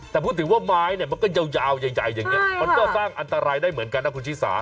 แต่พูดถึงว่าไม้เนี่ยมันก็ยาวใหญ่อย่างนี้มันก็สร้างอันตรายได้เหมือนกันนะคุณชิสา